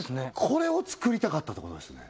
これを作りたかったってことですね？